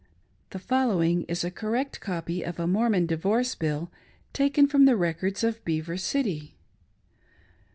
The following is a correct copy of a Mormon di > vorce bill taken from the records of Beaver City :—